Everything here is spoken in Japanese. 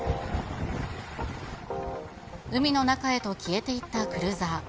海の中へと消えていったクルーザー。